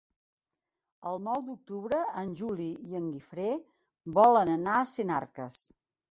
El nou d'octubre en Juli i en Guifré volen anar a Sinarques.